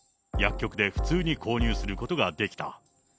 薬局で普通に購入することができた。